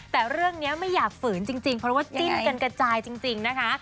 แต่เรื่องนี้ไม่อยากฝืนจริงเพราะว่าจิ้นกันกระจายจริงนะคะ